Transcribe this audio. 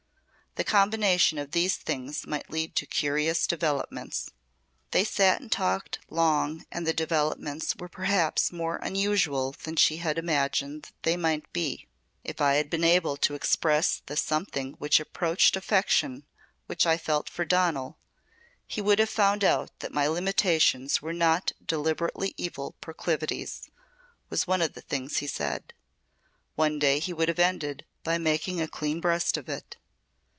The combination of these things might lead to curious developments. They sat and talked long and the developments were perhaps more unusual than she had imagined they might be. "If I had been able to express the something which approached affection which I felt for Donal, he would have found out that my limitations were not deliberately evil proclivities," was one of the things he said. "One day he would have ended by making a clean breast of it.